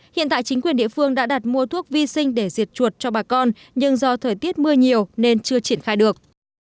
hiện tại chính quyền địa phương đã đặt mua thuốc vi sinh để diệt chuột cho bà con nhưng do thời tiết mưa nhiều nên chưa triển khai được